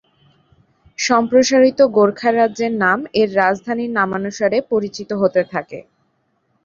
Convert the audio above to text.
সম্প্রসারিত গোর্খা রাজ্যের নাম এর রাজধানীর নামানুসারে পরিচিত হতে থাকে।